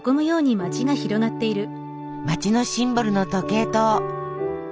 街のシンボルの時計塔。